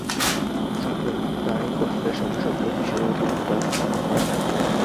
সম্প্রদায়-গঠনের সঙ্গে সঙ্গে বিশ্বপ্রেমের বিরোধিতা করা হয়।